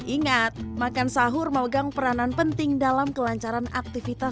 ingat makan sahur memegang peranan penting dalam kelancaran aktivitas